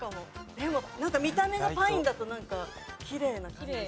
でも見た目がパインだとなんかきれいな感じ。